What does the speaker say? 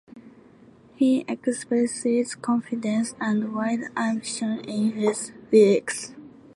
He expresses confidence and wild ambition in his lyrics.